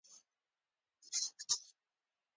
کور خالي ولاړ و، شا ته مې تېر شوي سړک ته وکتل.